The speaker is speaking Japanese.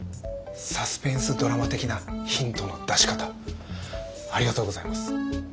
サスペンスドラマ的なヒントの出し方ありがとうございます。